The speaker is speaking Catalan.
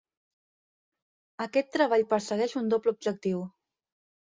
Aquest treball persegueix un doble objectiu.